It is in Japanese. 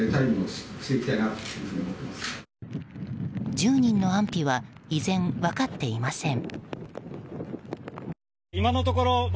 １０人の安否は依然分かっていません。